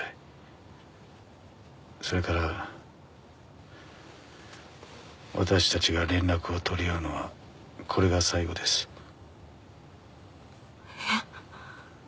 それから私たちが連絡を取り合うのはこれが最後ですええっ？